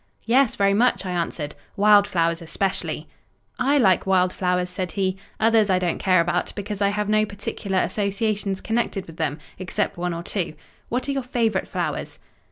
"Yes; very much," I answered, "wild flowers especially." "I like wild flowers," said he; "others I don't care about, because I have no particular associations connected with them—except one or two. What are your favourite flowers?"